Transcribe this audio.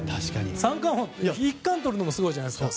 三冠王、１冠取るのもすごいじゃないですか。